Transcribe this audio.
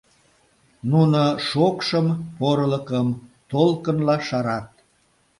Нуно шокшым, порылыкым толкынла шарат.